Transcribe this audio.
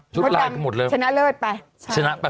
ชนะเลิศไป